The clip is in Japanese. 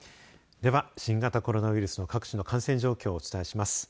では、新型コロナウイルスの各地の感染状況をお伝えします。